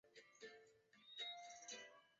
耶利扎罗夫站是圣彼得堡地铁的一个车站。